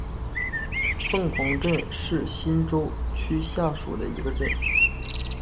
凤凰镇是新洲区下属的一个镇。